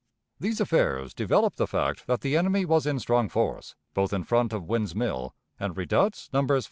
These affairs developed the fact that the enemy was in strong force, both in front of Wynne's Mill and Redoubts Nos.